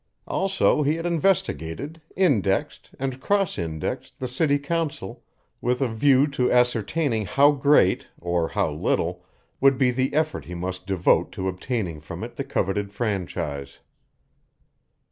Also he had investigated, indexed, and cross indexed the city council with a view to ascertaining how great or how little would be the effort he must devote to obtaining from it the coveted franchise.